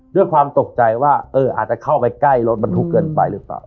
ด้วยความตกใจว่าอาจจะเข้าไปใกล้รถบรรทุกเกินไปหรือเปล่า